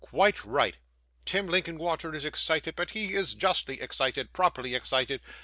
'Quite right. Tim Linkinwater is excited, but he is justly excited, properly excited.